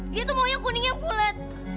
dia tuh maunya kuningnya bulet